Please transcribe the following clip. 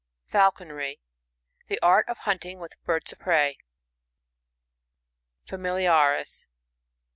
Falconry. — The ai't of hunting with birds of prey. Familiaris.